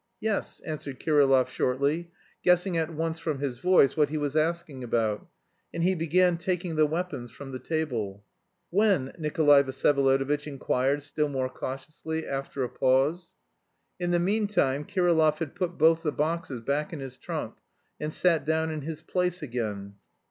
"Yes," answered Kirillov shortly, guessing at once from his voice what he was asking about, and he began taking the weapons from the table. "When?" Nikolay Vsyevolodovitch inquired still more cautiously, after a pause. In the meantime Kirillov had put both the boxes back in his trunk, and sat down in his place again.